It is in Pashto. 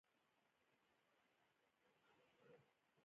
مالدارۍ د کورنیو عاید زیاتوي.